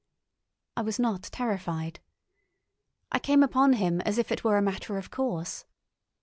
I was not terrified. I came upon him as if it were a matter of course.